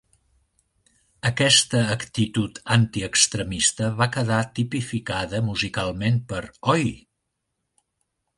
Aquesta actitud antiextremista va quedar tipificada musicalment per "Oi!".